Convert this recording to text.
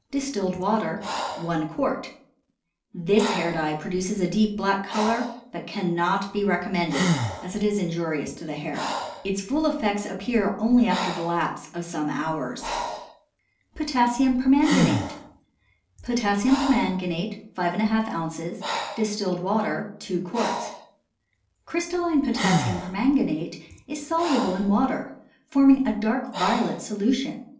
Distilled water 1 qt. This hair dye produces a deep black color, but cannot be recommended, as it is injurious to the hair. Its full effects appear only after the lapse of some hours. POTASSIUM PERMANGANATE. Potassium permanganate 5½ oz. Distilled water 2 qts. Crystalline potassium permanganate is soluble in water, forming a dark violet solution.